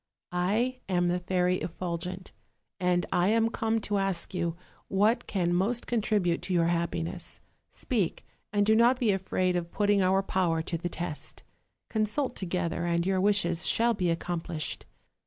I am the Fairy Effulgent, and I am come to ask you what can most contribute to your happiness: speak, and do not be afraid of putting our power to the test; consult together, and your wishes shall be accomplished.